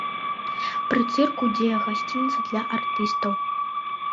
Пры цырку дзее гасцініца для артыстаў.